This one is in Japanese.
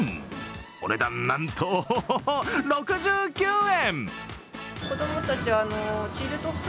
お値段なんと６９円！